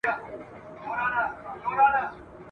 او کرغېړنو کلماتو وینا کوله ..